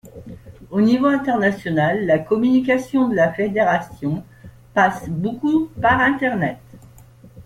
Au niveau international, la communication de la fédération passe beaucoup par internet.